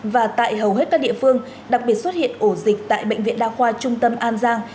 và tại hầu hết các địa phương đặc biệt xuất hiện ổ dịch tại bệnh viện đa khoa trung tâm an giang